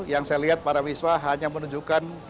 yang saya lihat para wiswa hanya menunjukkan